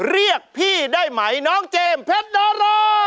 เรียกพี่ได้ไหมน้องเจมส์เพชรดารา